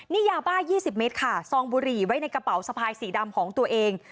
นี่ยาบ้า๒๐เมตรค่ะซองบุหรี่ไว้ในกระเป๋าสะพายสีดำของตัวเอง